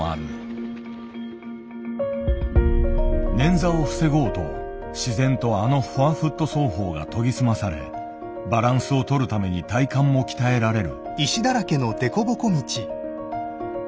捻挫を防ごうと自然とあのフォアフット走法が研ぎ澄まされバランスを取るために体幹も鍛えられる。